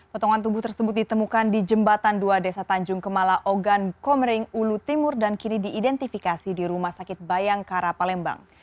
potongan tubuh tersebut ditemukan di jembatan dua desa tanjung kemala ogan komering ulu timur dan kini diidentifikasi di rumah sakit bayangkara palembang